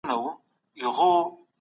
استازي به د خلګو غوښتنې مطرح کوي.